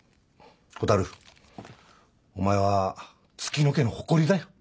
蛍お前は月乃家の誇りだよ。